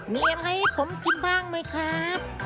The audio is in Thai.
มีอะไรให้ผมกินบ้างไหมครับ